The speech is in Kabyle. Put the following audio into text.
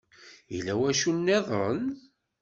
Yella wacu-nniden?